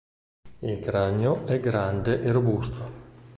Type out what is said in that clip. Il cranio è grande e robusto.